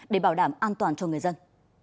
để bảo đảm an toàn cho người dân